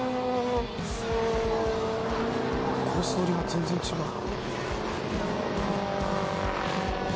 コース取りが全然違う。